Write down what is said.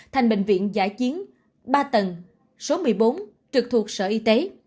thành bệnh viện giả chiến ba tầng số một mươi bốn trực thuộc sở y tế